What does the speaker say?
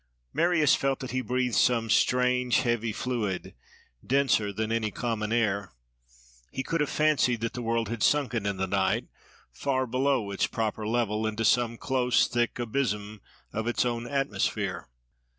Marius felt that he breathed some strange heavy fluid, denser than any common air. He could have fancied that the world had sunken in the night, far below its proper level, into some close, thick abysm of its own atmosphere.